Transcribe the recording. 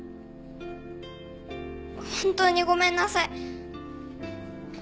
本当にごめんなさい。